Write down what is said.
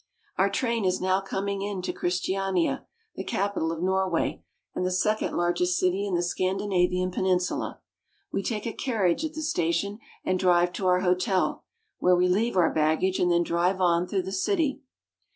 Our train is now coming into Christiania, the capital of Norway and the second largest city in the Scandinavian Peninsula. We take a carriage at the station and drive to our hotel, where we leave our baggage and then drive on through the city.